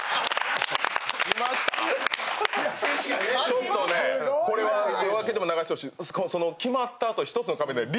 ちょっとこれは「夜明け」でも流してほしい。